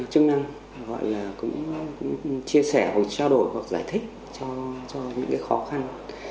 chia sẻ trao đổi giải thích cho những khó khăn